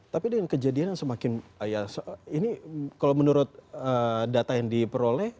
tapi dengan kejadian yang semakin ya ini kalau menurut data yang diperoleh